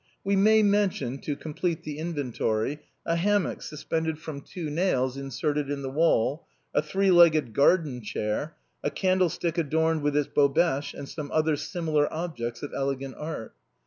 We may mention, to complete the inventory, a hammock suspended from two nails inserted in the wall, a three legged garden chair, a candle stick adorned with its bobèche, and some other similar objects of elegant art.